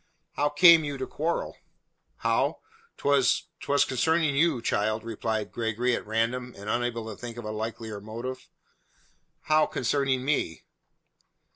"How came you to quarrel?" "How? 'Twas 'twas concerning you, child," replied Gregory at random, and unable to think of a likelier motive. "How, concerning me?"